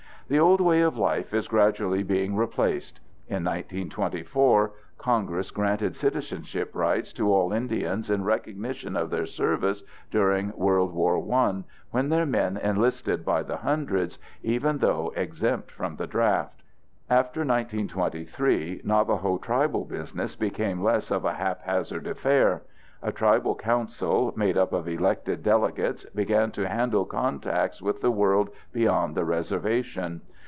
The old way of life is gradually being replaced. In 1924, Congress granted citizenship rights to all Indians in recognition of their service during World War I when their men enlisted by the hundreds, even though exempt from the draft. After 1923 Navajo tribal business became less of a haphazard affair. A tribal council, made up of elected delegates, began to handle contacts with the world beyond the reservation.